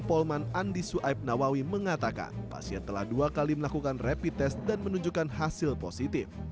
polman andi suaib nawawi mengatakan pasien telah dua kali melakukan rapid test dan menunjukkan hasil positif